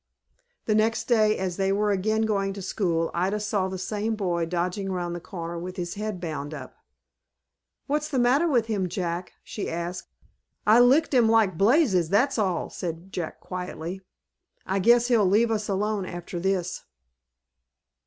The next day, as they were again going to school, Ida saw the same boy dodging round the corner, with his head bound up. "What's the matter with him, Jack?" she asked. "I licked him like blazes, that's all," said Jack, quietly. "I guess he'll let us alone after this."